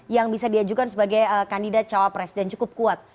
yang bisa diajukan sebagai kandidat cawa presiden cukup kuat